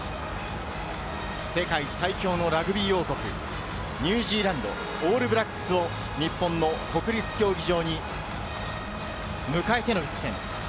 世界最強のラグビー王国、ニュージーランド・オールブラックスを日本の国立競技場に迎えての一戦。